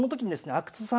阿久津さん